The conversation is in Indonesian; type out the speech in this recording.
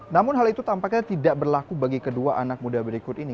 namun hal itu tampaknya tidak berlaku bagi kedua anak muda berikut ini